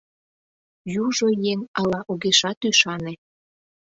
Южо еҥ ала огешат ӱшане.